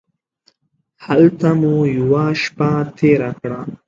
هلته مو یوه شپه تېره کړه.